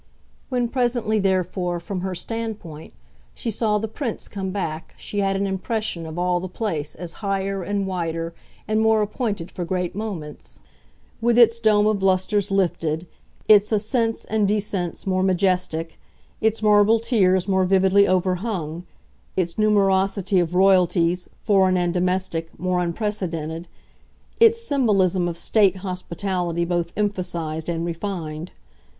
When presently, therefore, from her standpoint, she saw the Prince come back she had an impression of all the place as higher and wider and more appointed for great moments; with its dome of lustres lifted, its ascents and descents more majestic, its marble tiers more vividly overhung, its numerosity of royalties, foreign and domestic, more unprecedented, its symbolism of "State" hospitality both emphasised and refined.